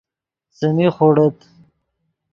څیمی خوڑیت